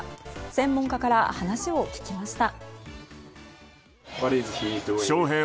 専門家から話を聞きました。